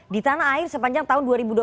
di tanah air sepanjang tahun dua ribu dua puluh